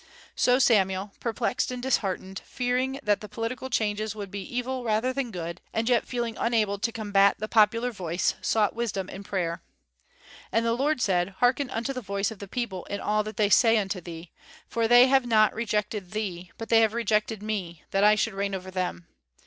So Samuel, perplexed and disheartened, fearing that the political changes would be evil rather than good, and yet feeling unable to combat the popular voice, sought wisdom in prayer. "And the Lord said, hearken unto the voice of the people in all that they say unto thee, for they have not rejected thee, but they have rejected me, that I should reign over them.